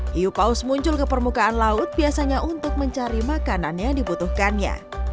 hiu paus muncul ke permukaan laut biasanya untuk mencari makanan yang dibutuhkannya